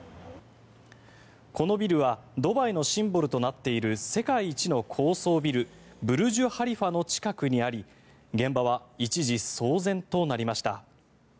このビルはドバイのシンボルとなっている世界一の高層ビルブルジュ・ハリファの近くにあり現場は一時、騒然となりました。